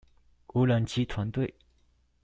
無人機團隊